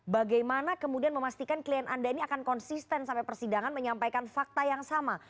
bagaimana kemudian memastikan klien anda ini akan konsisten sampai persidangan menyampaikan fakta yang sama